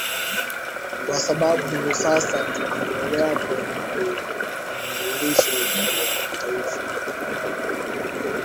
kwa sababu sasa tunaenda kwenye vitambulisho vya taifa